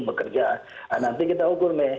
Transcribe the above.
bekerja nanti kita ukur nih